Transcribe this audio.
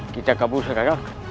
kita kabur sekarang